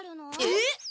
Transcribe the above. えっ！？